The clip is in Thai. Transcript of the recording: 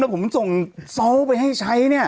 แล้วผมต้องส้าวไปให้ใช้เนี่ย